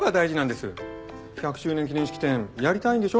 １００周年記念式典やりたいんでしょ？